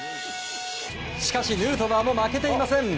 しかしヌートバーも負けていません。